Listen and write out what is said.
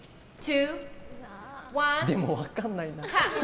でも分からないな。